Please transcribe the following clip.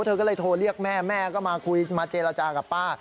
เธอก็เลยโทรเรียกแม่แม่ก็มาคุยมาเจรจากับป้า